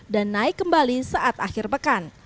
dan naik kembali saat akhirnya